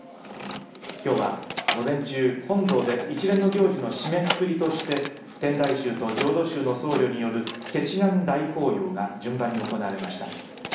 きょうは、午前中本堂で一連の行事の締めくくりとして天台宗と浄土宗の僧侶による結願大法要が順番に行われました。